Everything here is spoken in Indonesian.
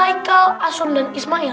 haikal asun dan ismail